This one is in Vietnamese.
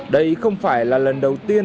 đây không phải là lần đầu tiên